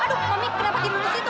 aduh mami kenapa tidur di situ